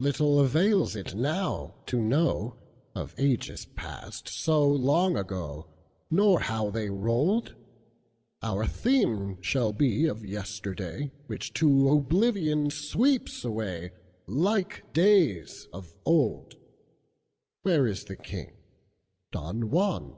Little avails it now to knowOf ages passed so long ago, Nor how they rolled; Our theme shall be of yesterday, Which to oblivion sweeps away, Like days of old. Where is the King, Don Juan?